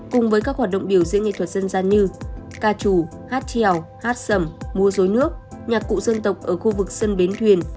cùng với các hoạt động biểu diễn nghệ thuật dân gian như ca trù hát trèo hát sầm múa rối nước nhạc cụ dân tộc ở khu vực sân bến thuyền